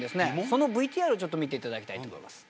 そのＶＴＲをちょっと見ていただきたいと思います。